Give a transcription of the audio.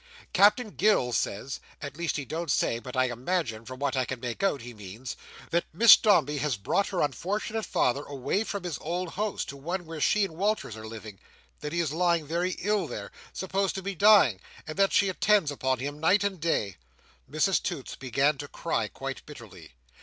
Captain Gills says—at least he don't say, but I imagine, from what I can make out, he means—that Miss Dombey has brought her unfortunate father away from his old house, to one where she and Walters are living; that he is lying very ill there—supposed to be dying; and that she attends upon him night and day." Mrs Toots began to cry quite bitterly.